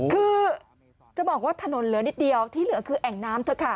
คือจะบอกว่าถนนเหลือนิดเดียวที่เหลือคือแอ่งน้ำเถอะค่ะ